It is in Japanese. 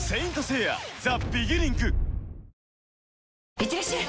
いってらっしゃい！